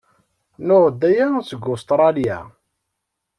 Nuɣ-d aya seg Ustṛalya.